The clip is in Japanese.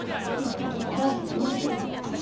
１匹なんと４０００円。